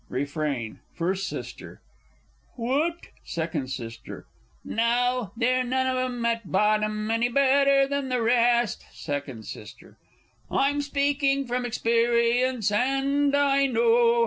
Refrain. First S. {What? { Second S. {No, They're none of 'em at bottom any better than the rest. Second S. I'm speaking from experience, and I know.